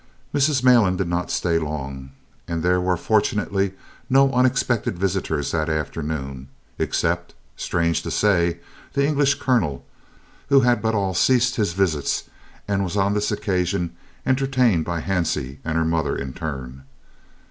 Mrs. Malan did not stay long, and there were fortunately no unexpected visitors that afternoon except, strange to say, the English colonel who had all but ceased his visits and was on this occasion entertained by Hansie and her mother in turn.